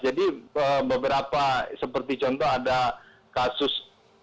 jadi beberapa seperti contoh ada kasus